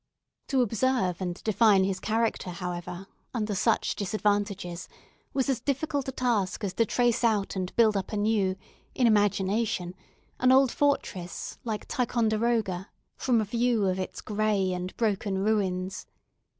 To observe and define his character, however, under such disadvantages, was as difficult a task as to trace out and build up anew, in imagination, an old fortress, like Ticonderoga, from a view of its grey and broken ruins.